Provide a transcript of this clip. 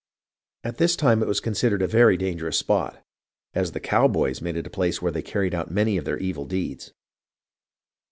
At this time it was considered a very dangerous spot, as the "cowboys" made it a place where they carried on many of their evil deeds.